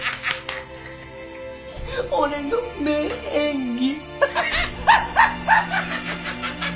俺の名演技。